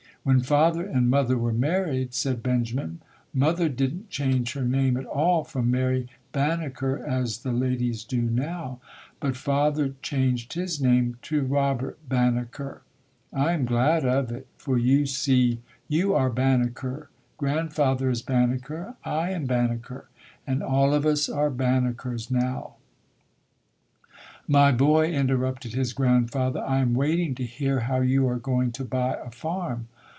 "When father and mother were married", said Benjamin, "mother didn't change her name at all from Mary Banneker as the ladies do now, but father changed his name to Robert Banneker. BENJAMIN BANNEKER [ 157 I am glad of it, for you see you are Banneker, grandfather is Banneker, I am Banneker and all of lis are Bannekers now". "My boy", interrupted his grandfather, "I am waiting to hear how you are going to buy a farm."